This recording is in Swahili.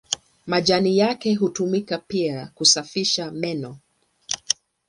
Majani yake hutumika pia kusafisha meno.